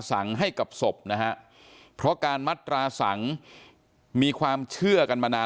ให้กับศพนะฮะเพราะการมัตราสังมีความเชื่อกันมานาน